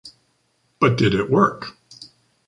But did it work?